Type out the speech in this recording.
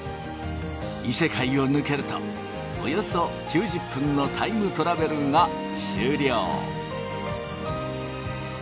異世界を抜けるとおよそ９０分のタイムトラベルが終了。